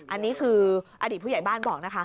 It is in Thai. อันนี้คืออดีตผู้ใหญ่บ้านบอกนะคะ